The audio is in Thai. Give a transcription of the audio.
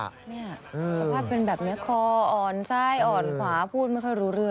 สภาพเป็นแบบนี้คออ่อนซ้ายอ่อนขวาพูดไม่ค่อยรู้เรื่อง